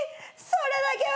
それだけは！